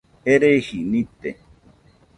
Ereji nite